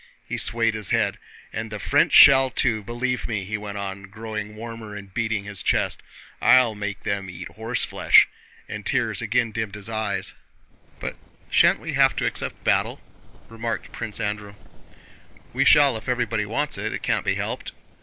He swayed his head. "And the French shall too, believe me," he went on, growing warmer and beating his chest, "I'll make them eat horseflesh!" And tears again dimmed his eyes. * "Everything comes in time to him who knows how to wait." "But shan't we have to accept battle?" remarked Prince Andrew. "We shall if everybody wants it; it can't be helped....